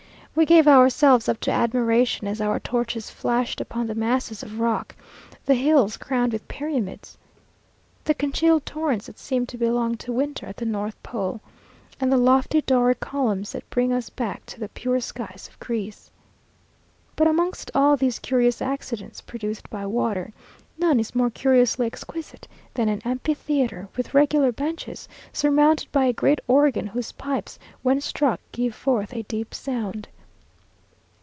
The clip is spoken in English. We gave ourselves up to admiration, as our torches flashed upon the masses of rock, the hills crowned with pyramids, the congealed torrents that seem to belong to winter at the north pole, and the lofty Doric columns that bring us back to the pure skies of Greece. But amongst all these curious accidents produced by water, none is more curiously exquisite than an amphitheatre, with regular benches, surmounted by a great organ, whose pipes, when struck, give forth a deep sound.